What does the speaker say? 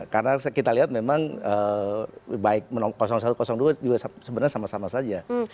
karena kita lihat memang baik satu dua juga sebenarnya sama sama saja